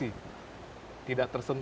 yang bisa diberikan